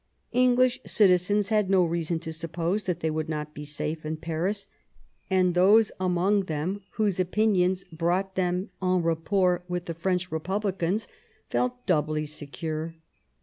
English citi zens had no reason to suppose they would not be safe in Paris, and those among them whose opinions brought them en rapport with the French Republicans felt doubly secure.